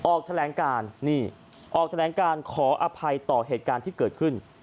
ออกแถลงการนี่ออกแถลงการขออภัยต่อเหตุการณ์ที่เกิดขึ้น